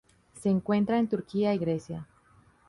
Se encuentra en Turquía y Grecia.